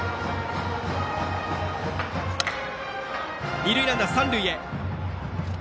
二塁ランナーは三塁へ。